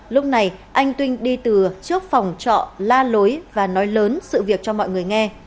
lúc này anh tuyên đi từ trước phòng trọ la lối và nói lớn sự việc cho mọi người nghe